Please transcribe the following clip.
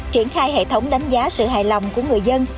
triển khai hệ thống đánh giá sự hài lòng của người dân